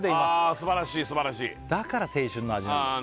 あすばらしいすばらしいだから青春の味なんだあ